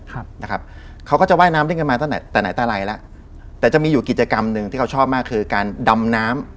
ครับนะครับเขาก็จะว่ายน้ำเล่นกันมาตั้งแต่ไหนแต่ไรแล้วแต่จะมีอยู่กิจกรรมหนึ่งที่เขาชอบมากคือการดำน้ำ